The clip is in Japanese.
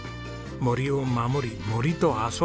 森を守り森と遊ぶ。